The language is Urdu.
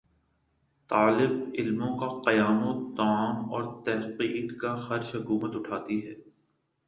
طالب علموں کا قیام و طعام اور تحقیق کا خرچ حکومت اٹھاتی ہے